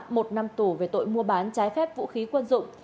một năm tù về tội mua bán trái phép vũ khí quân dụng